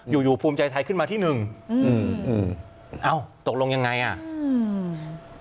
อยู่อยู่ภูมิใจไทยขึ้นมาที่หนึ่งอืมอืมเอ้าตกลงยังไงอ่ะอืม